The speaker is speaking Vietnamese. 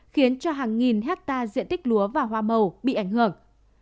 khiến cho hàng nghìn hectare diện tích lúa và hoa màu bị ảnh hưởng